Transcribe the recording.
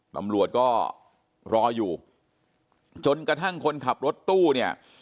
ตำรวจก็รออยู่จนกระทั่งคนขับรถตู้เนี่ย